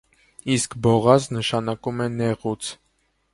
Իսկ բողազ նշանակում է նեղուց։